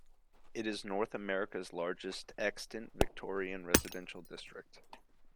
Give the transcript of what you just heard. It is North America's largest extant Victorian residential district.